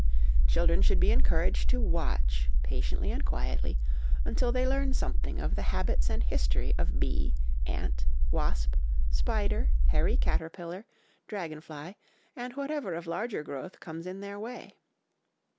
Children should be encouraged to watch, patiently and quietly, until they learn something of the habits and history of bee, ant, wasp, spider, hairy caterpillar, dragon fly, and whatever of larger growth comes in their way.